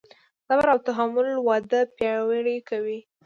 صبر او تحمل واده پیاوړی کوي.